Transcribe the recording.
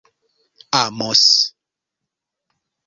amos